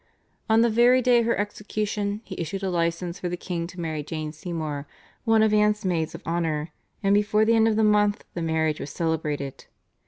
On the very day of her execution he issued a license for the king to marry Jane Seymour, one of Anne's maids of honour, and before the end of the month the marriage was celebrated.